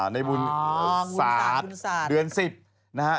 ในบูนศาสตร์ในบูนศาสตร์เดือน๑๐นะฮะ